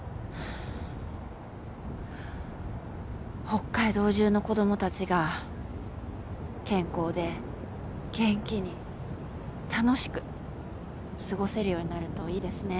北海道中の子供たちが健康で元気に楽しく過ごせるようになるといいですね。